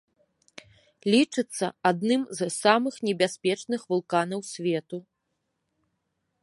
Лічыцца адным з самых небяспечных вулканаў свету.